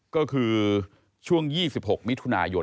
ก็คือช่วง๒๖มิถุนายน